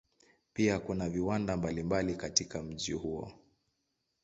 Pia kuna viwanda mbalimbali katika mji huo.